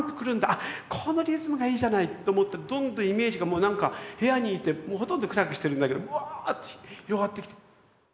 あっこのリズムがいいじゃない！」と思ってどんどんイメージがもうなんか部屋にいてもうほとんど暗くしてるんだけどブワーッと広がってきて。